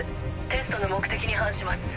テストの目的に反します。